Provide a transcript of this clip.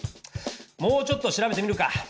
もうちょっと調べてみるか。